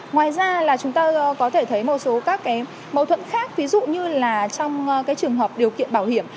ngoài ra là chúng ta có thể thấy một số các cái mâu thuẫn khác ví dụ như là trong trường hợp điều kiện bảo hiểm